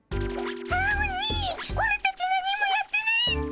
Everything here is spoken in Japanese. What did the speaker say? アオニイオラたち何もやってないっピ。